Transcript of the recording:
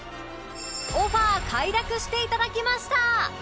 オファー快諾して頂きました